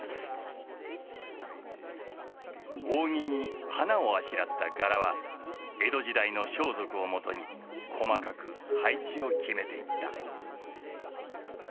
扇に花をあしらった柄は江戸時代の装束をもとに細かく配置を決めていった。